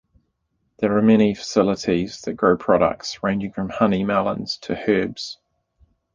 There are many facilities that grow products ranging from honey melons to herbs.